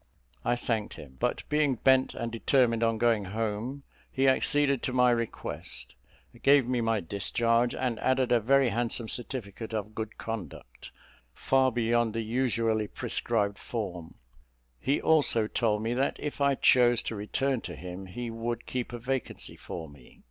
I thanked him but being bent and determined on going home, he acceded to my request; gave me my discharge, and added a very handsome certificate of good conduct, far beyond the usually prescribed form; he also told me that if I chose to return to him he would keep a vacancy for me.